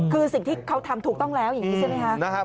คือสิ่งที่เขาทำถูกต้องแล้วอย่างนี้ใช่ไหมคะ